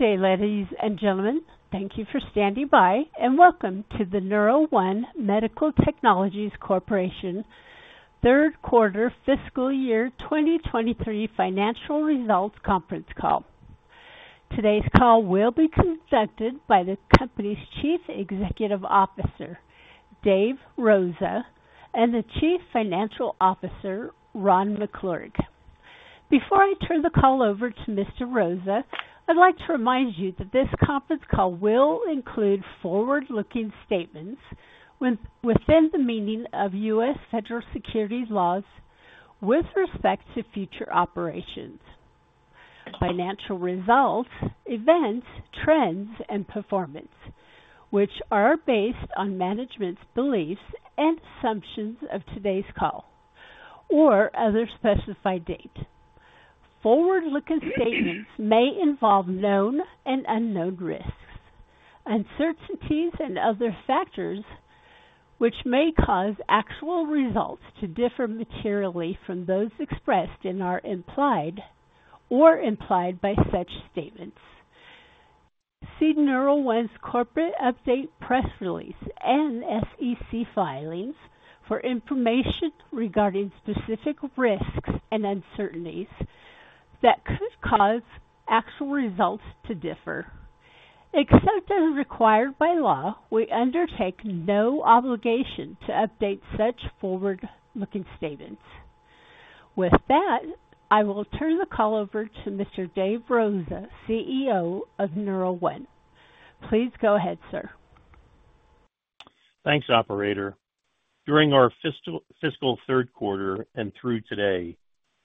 Good day, ladies and gentlemen. Thank you for standing by, and welcome to the NeuroOne Medical Technologies Corporation third quarter fiscal year 2023 financial results conference call. Today's call will be conducted by the company's Chief Executive Officer, Dave Rosa, and the Chief Financial Officer, Ron McClurg. Before I turn the call over to Mr. Rosa, I'd like to remind you that this conference call will include forward-looking statements within the meaning of U.S. Federal securities laws with respect to future operations, financial results, events, trends, and performance, which are based on management's beliefs and assumptions of today's call or other specified date. Forward-looking statements may involve known and unknown risks, uncertainties, and other factors which may cause actual results to differ materially from those expressed and are implied or implied by such statements. See NeuroOne's corporate update, press release, and SEC filings for information regarding specific risks and uncertainties that could cause actual results to differ. Except as required by law, we undertake no obligation to update such forward-looking statements. With that, I will turn the call over to Mr. Dave Rosa, CEO of NeuroOne. Please go ahead, sir. Thanks, operator. During our fiscal third quarter and through today,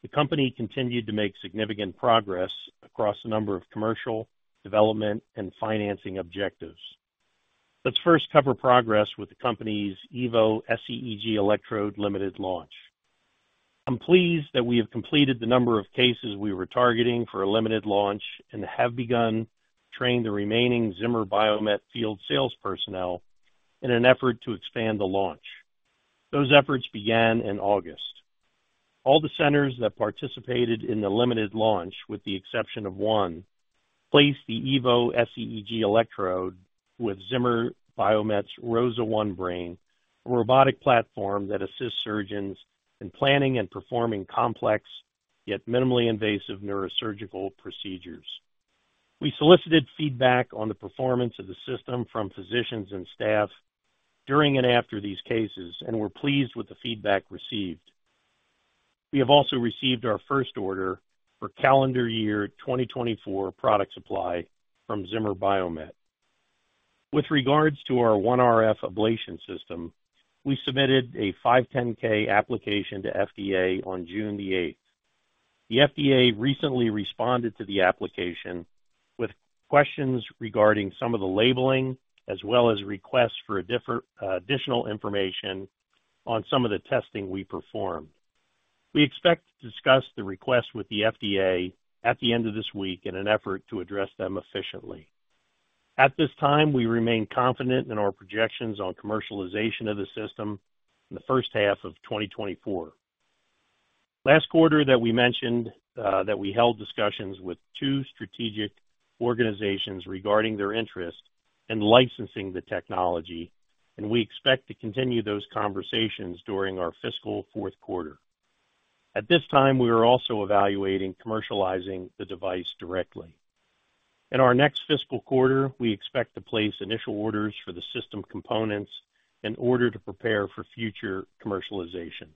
the company continued to make significant progress across a number of commercial, development and financing objectives. Let's first cover progress with the company's Evo sEEG Electrode limited launch. I'm pleased that we have completed the number of cases we were targeting for a limited launch and have begun training the remaining Zimmer Biomet field sales personnel in an effort to expand the launch. Those efforts began in August. All the centers that participated in the limited launch, with the exception of one, placed the Evo sEEG Electrode with Zimmer Biomet's ROSA ONE Brain, a robotic platform that assists surgeons in planning and performing complex, yet minimally invasive neurosurgical procedures. We solicited feedback on the performance of the system from physicians and staff during and after these cases, we're pleased with the feedback received. We have also received our first order for calendar year 2024 product supply from Zimmer Biomet. With regards to our OneRF Ablation System, we submitted a 510(k) application to FDA on June 8. The FDA recently responded to the application with questions regarding some of the labeling, as well as requests for additional information on some of the testing we performed. We expect to discuss the request with the FDA at the end of this week in an effort to address them efficiently. At this time, we remain confident in our projections on commercialization of the system in the first half of 2024. Last quarter that we mentioned, that we held discussions with two strategic organizations regarding their interest in licensing the technology, and we expect to continue those conversations during our fiscal fourth quarter. At this time, we are also evaluating commercializing the device directly. In our next fiscal quarter, we expect to place initial orders for the system components in order to prepare for future commercialization.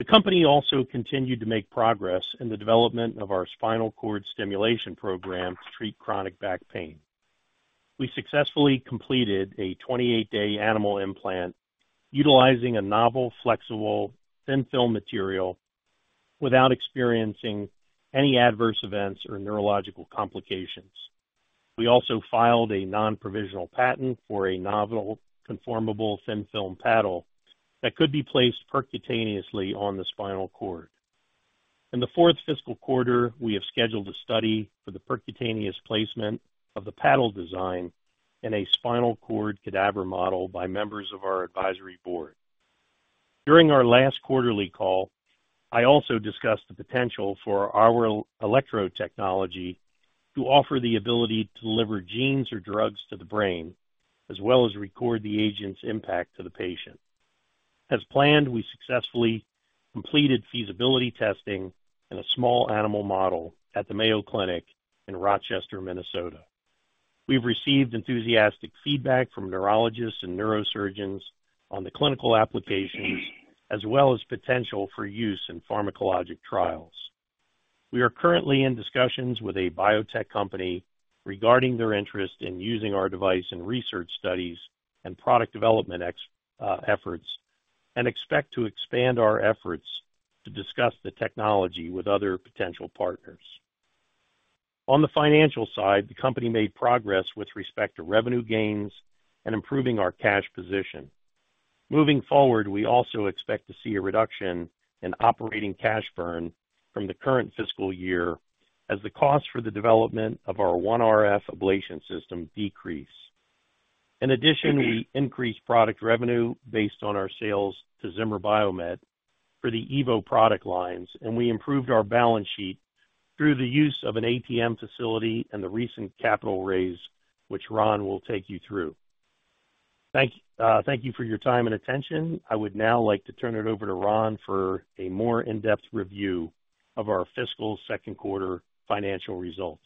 The company also continued to make progress in the development of our spinal cord stimulation program to treat chronic back pain. We successfully completed a 28-day animal implant utilizing a novel, flexible, thin film material without experiencing any adverse events or neurological complications. We also filed a non-provisional patent for a novel conformable thin film paddle that could be placed percutaneously on the spinal cord. In the fourth fiscal quarter, we have scheduled a study for the percutaneous placement of the paddle design in a spinal cord cadaver model by members of our advisory board. During our last quarterly call, I also discussed the potential for our electrode technology to offer the ability to deliver genes or drugs to the brain, as well as record the agent's impact to the patient. As planned, we successfully completed feasibility testing in a small animal model at the Mayo Clinic in Rochester, Minnesota. We've received enthusiastic feedback from neurologists and neurosurgeons on the clinical applications, as well as potential for use in pharmacologic trials. We are currently in discussions with a biotech company regarding their interest in using our device in research studies and product development efforts, and expect to expand our efforts to discuss the technology with other potential partners. On the financial side, the company made progress with respect to revenue gains and improving our cash position. Moving forward, we also expect to see a reduction in operating cash burn from the current fiscal year as the cost for the development of our OneRF Ablation System decrease. In addition, we increased product revenue based on our sales to Zimmer Biomet for the Evo product lines, and we improved our balance sheet through the use of an ATM facility and the recent capital raise, which Ron will take you through. Thank you for your time and attention. I would now like to turn it over to Ron for a more in-depth review of our fiscal second quarter financial results.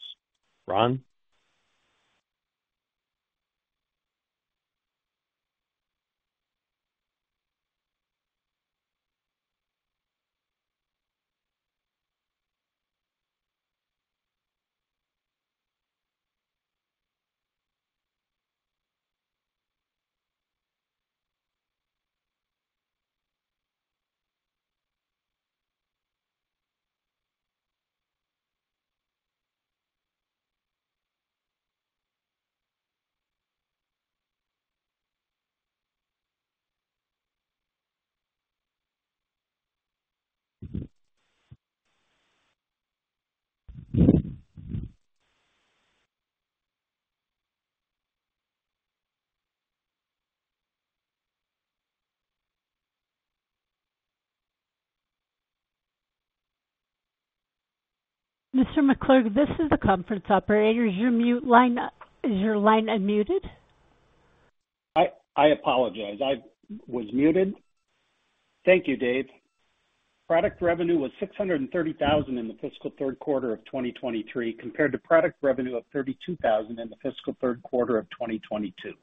Ron? Mr. McClurg, this is the conference operator. Is your mute line, is your line unmuted? I apologize. I was muted. Thank you, Dave. Product revenue was $630,000 in the fiscal third quarter of 2023, compared to product revenue of $32,000 in the fiscal third quarter of 2022.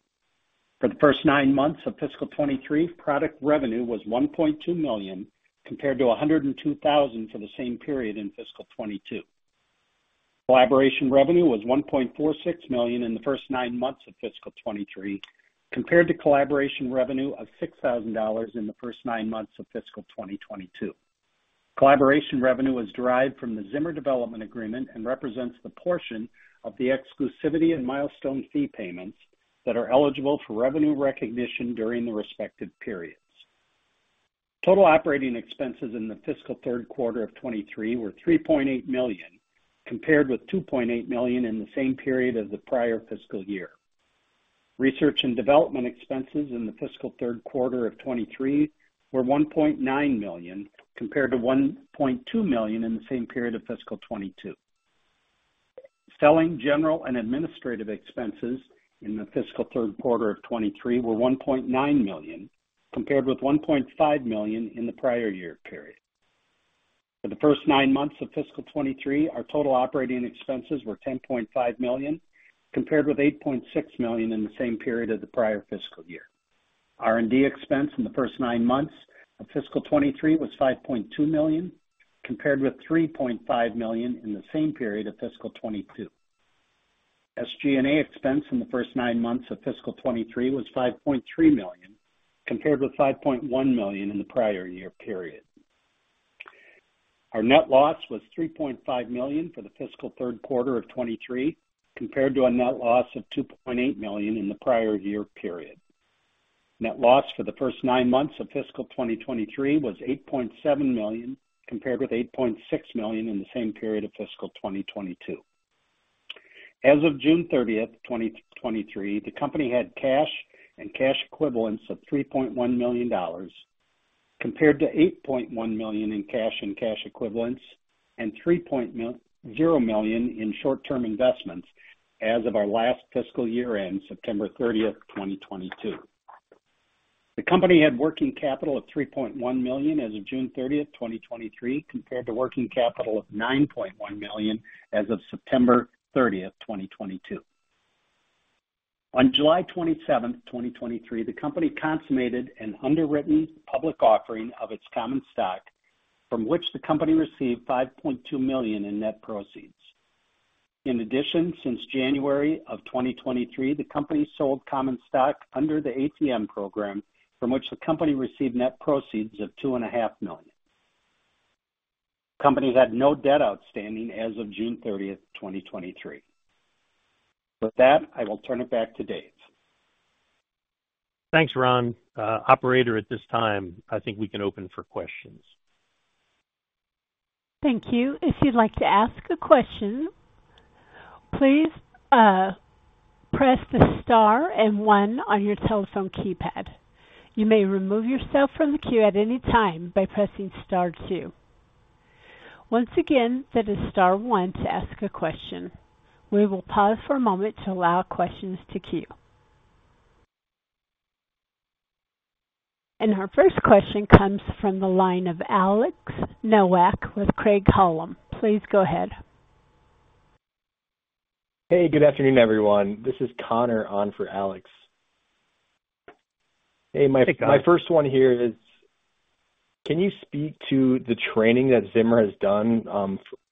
For the first nine months of fiscal 2023, product revenue was $1.2 million, compared to $102,000 for the same period in fiscal 2022. Collaboration revenue was $1.46 million in the first nine months of fiscal 2023, compared to collaboration revenue of $6,000 in the first nine months of fiscal 2022. Collaboration revenue is derived from the Zimmer development agreement and represents the portion of the exclusivity and milestone fee payments that are eligible for revenue recognition during the respective periods. Total operating expenses in the fiscal third quarter of 2023 were $3.8 million, compared with $2.8 million in the same period as the prior fiscal year. Research and development expenses in the fiscal third quarter of 2023 were $1.9 million, compared to $1.2 million in the same period of fiscal 2022. Selling general and administrative expenses in the fiscal third quarter of 2023 were $1.9 million, compared with $1.5 million in the prior year period. For the first nine months of fiscal 2023, our total operating expenses were $10.5 million, compared with $8.6 million in the same period as the prior fiscal year. R&D expense in the first nine months of fiscal 2023 was $5.2 million, compared with $3.5 million in the same period of fiscal 2022. SG&A expense in the first nine months of fiscal 2023 was $5.3 million, compared with $5.1 million in the prior year period. Our net loss was $3.5 million for the fiscal third quarter of 2023, compared to a net loss of $2.8 million in the prior year period. Net loss for the first nine months of fiscal 2023 was $8.7 million, compared with $8.6 million in the same period of fiscal 2022. As of June 30, 2023, the company had cash and cash equivalents of $3.1 million, compared to $8.1 million in cash and cash equivalents and $3.0 million in short-term investments as of our last fiscal year end, September 30, 2022. The company had working capital of $3.1 million as of June 30, 2023, compared to working capital of $9.1 million as of September 30, 2022. On July 27, 2023, the company consummated an underwritten public offering of its common stock, from which the company received $5.2 million in net proceeds. In addition, since January 2023, the company sold common stock under the ATM program, from which the company received net proceeds of $2.5 million. Company had no debt outstanding as of June 30, 2023. With that, I will turn it back to Dave. Thanks, Ron. operator, at this time, I think we can open for questions. Thank you. If you'd like to ask a question, please, press the star and one on your telephone keypad. You may remove yourself from the queue at any time by pressing star two. Once again, that is star one to ask a question. We will pause for a moment to allow questions to queue. Our first question comes from the line of Alex Nowak with Craig-Hallum. Please go ahead. Hey, good afternoon, everyone. This is Connor on for Alex. Hey, Connor. My first one here is: Can you speak to the training that Zimmer has done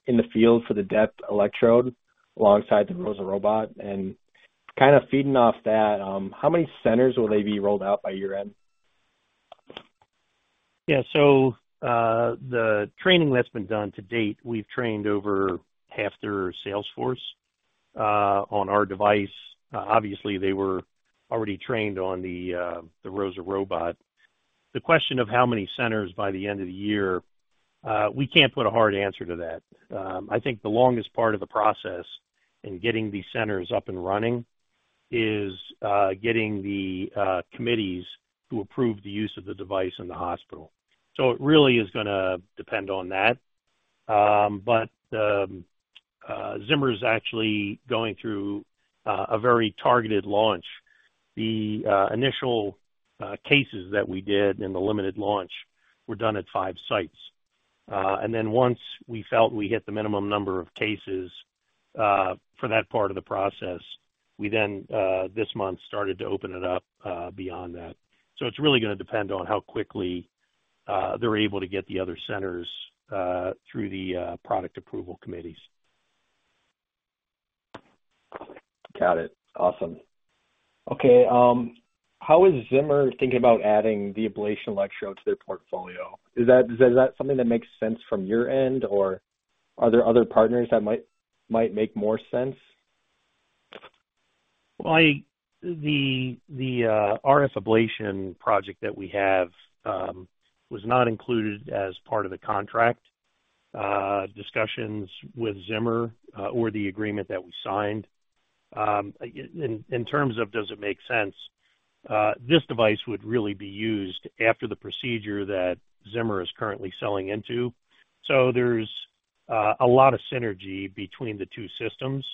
in the field for the depth electrode alongside the ROSA robot? Kind of feeding off that, how many centers will they be rolled out by year-end? The training that's been done to date, we've trained over half their sales force on our device. Obviously, they were already trained on the ROSA robot. The question of how many centers by the end of the year, we can't put a hard answer to that. I think the longest part of the process in getting these centers up and running is getting the committees to approve the use of the device in the hospital. It really is gonna depend on that. Zimmer is actually going through a very targeted launch. The initial cases that we did in the limited launch were done at five sites. Once we felt we hit the minimum number of cases for that part of the process, we then this month started to open it up beyond that. It's really gonna depend on how quickly they're able to get the other centers through the product approval committees. Got it. Awesome. Okay. How is Zimmer thinking about adding the ablation electrode to their portfolio? Is that something that makes sense from your end, or are there other partners that might make more sense? Well, I The OneRF ablation project that we have was not included as part of the contract discussions with Zimmer or the agreement that we signed. In terms of does it make sense, this device would really be used after the procedure that Zimmer is currently selling into. There's a lot of synergy between the two systems.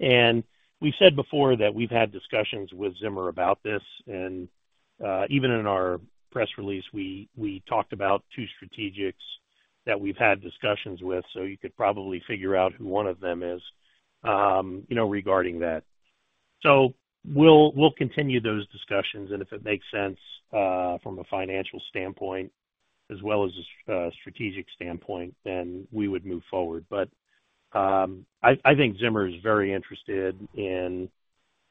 We've said before that we've had discussions with Zimmer about this, and even in our press release, we, we talked about two strategics that we've had discussions with, so you could probably figure out who one of them is, you know, regarding that. We'll, we'll continue those discussions, and if it makes sense, from a financial standpoint as well as a strategic standpoint, then we would move forward. I, I think Zimmer is very interested in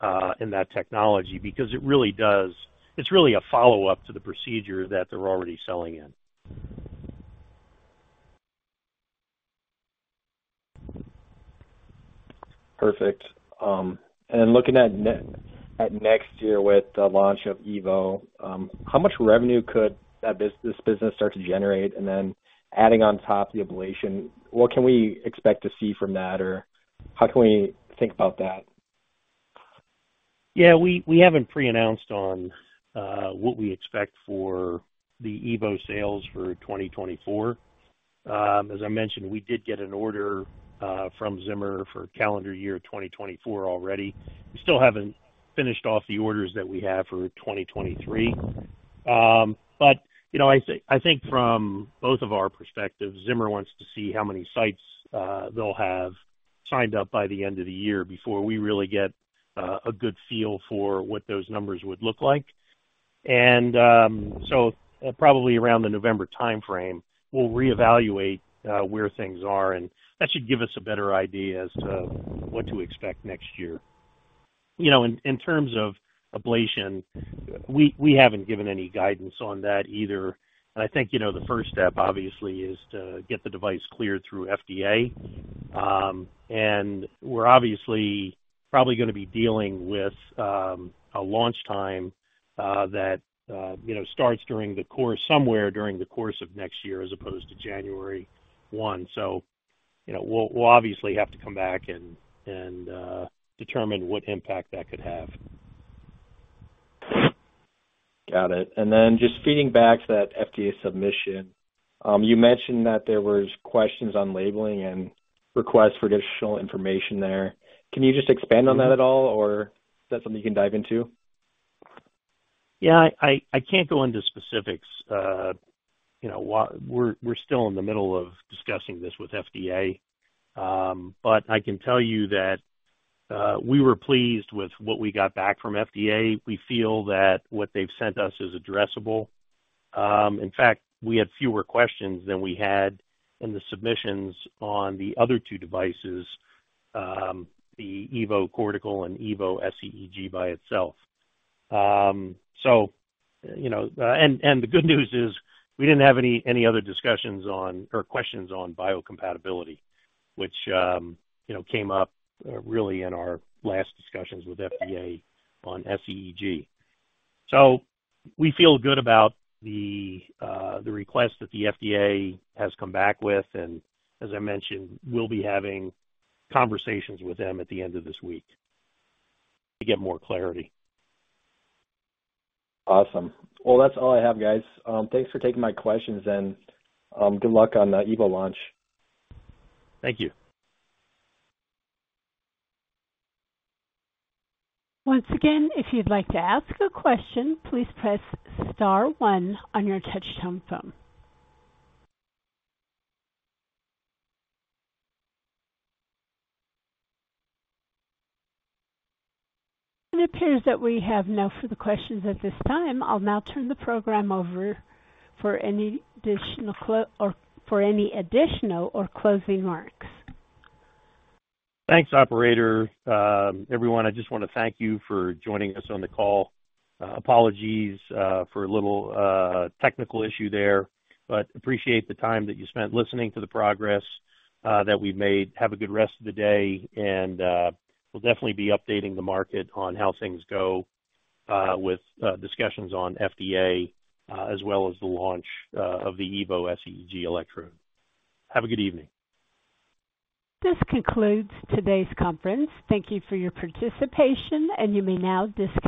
that technology because it really does. It's really a follow-up to the procedure that they're already selling in. Perfect. Looking at next year with the launch of Evo, how much revenue could this business start to generate? Adding on top the ablation, what can we expect to see from that? How can we think about that? Yeah, we, we haven't pre-announced on what we expect for the EVO sales for 2024. As I mentioned, we did get an order from Zimmer for calendar year 2024 already. We still haven't finished off the orders that we have for 2023. You know, I think from both of our perspectives, Zimmer wants to see how many sites they'll have signed up by the end of the year before we really get a good feel for what those numbers would look like. Probably around the November timeframe, we'll reevaluate where things are, and that should give us a better idea as to what to expect next year. You know, in, in terms of ablation, we, we haven't given any guidance on that either. I think, you know, the first step, obviously, is to get the device cleared through FDA. And we're obviously probably gonna be dealing with a launch time that, you know, starts somewhere during the course of next year, as opposed to January 1. You know, we'll, we'll obviously have to come back and, and, determine what impact that could have. Got it. Just feeding back to that FDA submission, you mentioned that there was questions on labeling and requests for additional information there. Can you just expand on that at all, or is that something you can dive into? Yeah, I, I can't go into specifics. You know, we're, we're still in the middle of discussing this with FDA. I can tell you that, we were pleased with what we got back from FDA. We feel that what they've sent us is addressable. In fact, we had fewer questions than we had in the submissions on the other two devices, the Evo Cortical and Evo sEEG by itself. You know, and, and the good news is, we didn't have any, any other discussions on or questions on biocompatibility, which, you know, came up really in our last discussions with FDA on sEEG. We feel good about the request that the FDA has come back with, and as I mentioned, we'll be having conversations with them at the end of this week to get more clarity. Awesome. Well, that's all I have, guys. Thanks for taking my questions and good luck on the Evo launch. Thank you. Once again, if you'd like to ask a question, please press star one on your touchtone phone. It appears that we have none further questions at this time. I'll now turn the program over for any additional or for any additional or closing remarks. Thanks, operator. everyone, I just want to thank you for joining us on the call. Apologies, for a little, technical issue there, but appreciate the time that you spent listening to the progress, that we've made. Have a good rest of the day, and, we'll definitely be updating the market on how things go, with, discussions on FDA, as well as the launch, of the Evo sEEG electrode. Have a good evening. This concludes today's conference. Thank you for your participation. You may now disconnect.